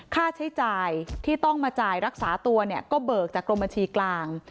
ค่าใช้จ่ายที่ต้องมาจ่ายรักษาตัวเนี่ยก็เบิกจากกรมบัญชีกลาง